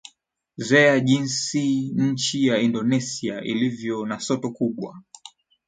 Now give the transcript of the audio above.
zea jinsi nchi ya indonesia ilivyo na soto kubwa